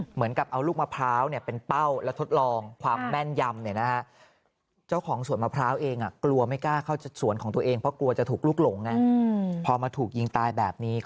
เหมือนกับเอาลูกมะพร้าวเป็นเป้าและทดลองความแม่นยำ